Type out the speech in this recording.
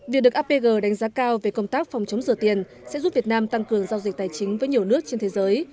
việc được apg đánh giá cao về công tác phòng chống rửa tiền sẽ giúp việt nam tăng cường giao dịch tài chính với nhiều nước trên thế giới